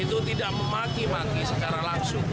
itu tidak memaki maki secara langsung